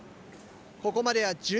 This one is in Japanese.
ここまでは順調。